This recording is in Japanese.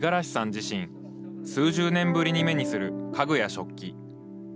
自身数十年ぶりに目にする家具や食器。